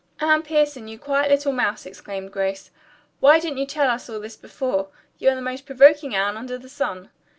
"Anne Pierson, you quiet little mouse!" exclaimed Grace. "Why didn't you tell us all this before? You are the most provoking Anne under the sun.